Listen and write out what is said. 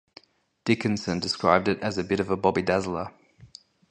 Dickinson described it as "a bit of a bobby dazzler".